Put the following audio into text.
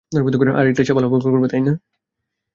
আরে, এটা সে ভালোভাবে করবে, তাই না?